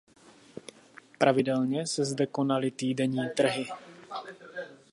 Pravidelně se zde konaly týdenní trhy.